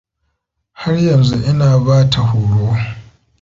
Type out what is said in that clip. Har yanzu ina ba ta horo.